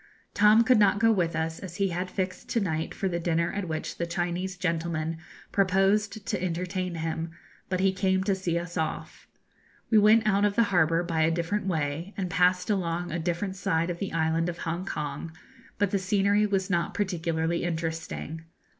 Tom could not go with us, as he had fixed to night for the dinner at which the Chinese gentlemen proposed to entertain him; but he came to see us off. We went out of the harbour by a different way, and passed along a different side of the island of Hongkong, but the scenery was not particularly interesting.